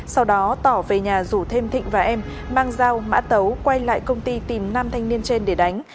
sau đó tỏ về nhà rủ thêm thịnh và em mang dao mã tấu quay lại công ty tìm nam thanh niên trên để đánh